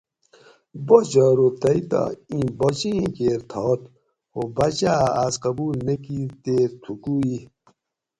باچہ ارو تئ تہ ایں باچہ ایں کیر تھاۤت خو باۤچاۤ اۤ آۤس قبُول نہ کِیر تی تھُکو ای